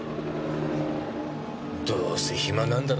どうせ暇なんだろ。